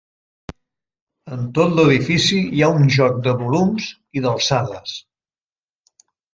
En tot l'edifici hi ha un joc de volums i d'alçades.